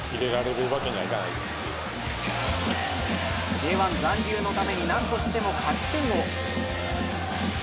Ｊ１残留のために何としても勝ち点を。